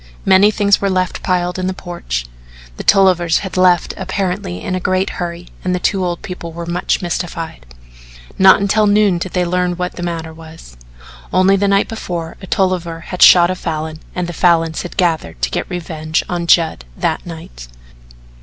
Many things were left piled in the porch; the Tollivers had left apparently in a great hurry and the two old people were much mystified. Not until noon did they learn what the matter was. Only the night before a Tolliver had shot a Falin and the Falins had gathered to get revenge on Judd that night.